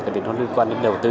cái gì nó liên quan đến đầu tư